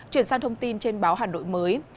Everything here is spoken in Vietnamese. chuyển sang thông tin trên báo hà nội mới